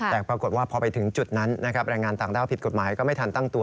แต่ปรากฏว่าพอไปถึงจุดนั้นนะครับแรงงานต่างด้าวผิดกฎหมายก็ไม่ทันตั้งตัว